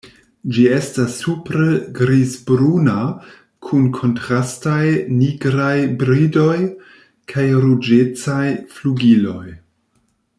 Ĝi estas supre grizbruna kun kontrastaj nigraj bridoj kaj ruĝecaj flugiloj.